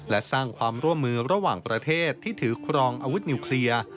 และสร้างความร่วมมือระหว่างประเทศที่ถือครองอาวุธนิวเคลียร์